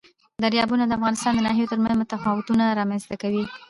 دریابونه د افغانستان د ناحیو ترمنځ تفاوتونه رامنځ ته کوي.